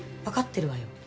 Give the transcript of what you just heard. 分かってるわよ